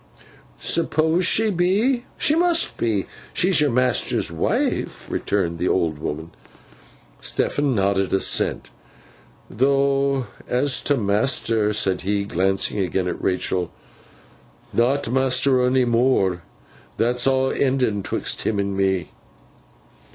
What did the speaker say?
'Suppose she be? She must be. She's your master's wife,' returned the old woman. Stephen nodded assent. 'Though as to master,' said he, glancing again at Rachael, 'not master onny more. That's aw enden 'twixt him and me.